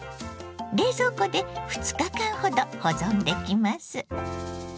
冷蔵庫で２日間ほど保存できます。